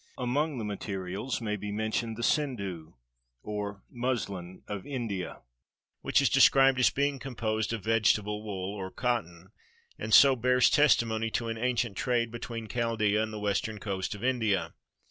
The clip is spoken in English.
Among the materials may be 479 MESOPOTAMIA mentioned the sindhu, or muslin of ''India," which is described as being composed of "vegetable wool," or cotton, and so bears testimony to an ancient trade be tween Chaldaea and the western coast of India.